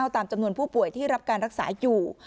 ตามจำนวนผู้ป่วยที่รับการรักษาอยู่